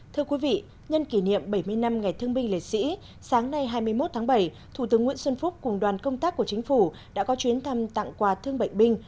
thưa quý vị nhân kỷ niệm bảy mươi năm ngày thương binh liệt sĩ sáng nay hai mươi một tháng bảy thủ tướng nguyễn xuân phúc cùng đoàn công tác của chính phủ đã có chuyến thăm tặng quà thương bệnh binh